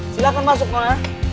silahkan masuk kok ya